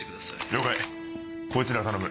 了解こいつらを頼む。